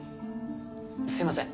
すいません。